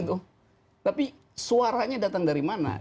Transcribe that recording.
tapi suaranya datang dari mana